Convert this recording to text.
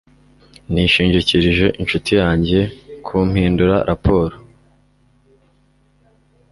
nishingikirije inshuti yanjye kumpindura raporo